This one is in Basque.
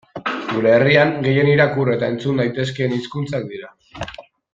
Gure herrian gehien irakur eta entzun daitezkeen hizkuntzak dira.